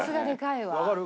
わかる？